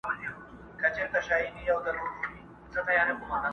له هر ځایه یې مړۍ په خوله کوله!!